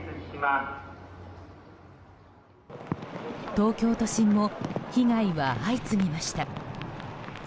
東京都心も被害は相次ぎました。